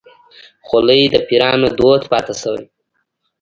خولۍ د پيرانو دود پاتې شوی.